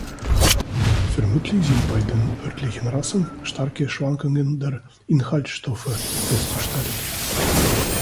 Vermutlich sind bei den örtlichen Rassen starke Schwankungen der Inhaltsstoffe festzustellen.